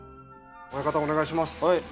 親方お願いします。